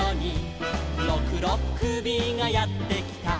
「ろくろっくびがやってきた」